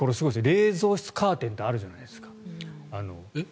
冷蔵室カーテンってあるじゃないですか。